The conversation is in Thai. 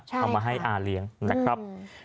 ใช่ค่ะเอามาให้อ่าเลี้ยงนั่นแหละครับ